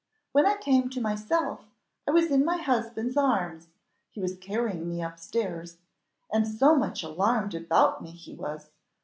When I came to myself, I was in my husband's arms; he was carrying me up stairs and so much alarmed about me he was!